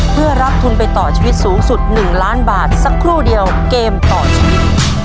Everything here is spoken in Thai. เพื่อรับทุนไปต่อชีวิตสูงสุด๑ล้านบาทสักครู่เดียวเกมต่อชีวิต